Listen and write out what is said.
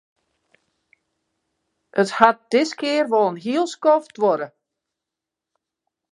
It hat diskear wol in heel skoft duorre.